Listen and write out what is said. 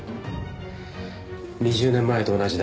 ２０年前と同じだ。